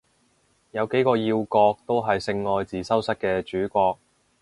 有幾個要角都係性愛自修室嘅主角